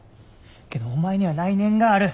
けどお前には来年がある。